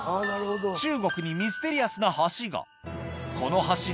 中国にミステリアスな橋がこの橋